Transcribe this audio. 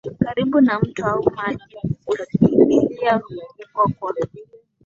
karibu na mto au maji usikimbilia huko kwa